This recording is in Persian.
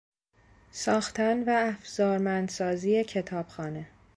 ساختن و افزارمند سازی کتابخانه